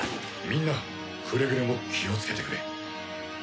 みんなくれぐれも気をつけてくれ。